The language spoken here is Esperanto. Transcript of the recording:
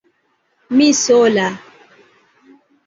Mi sola!